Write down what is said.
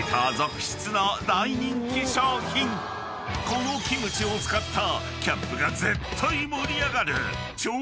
［このキムチを使った］